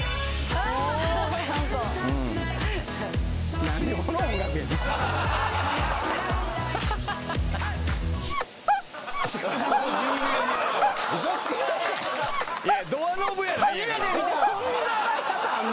はい。